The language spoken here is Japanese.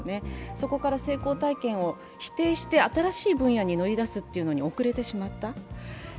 そこから成功体験を否定して新しい分野に乗り出すのに遅れてしまった。